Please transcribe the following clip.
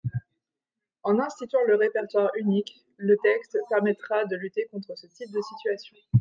En instituant le répertoire unique, le texte permettra de lutter contre ce type de situation.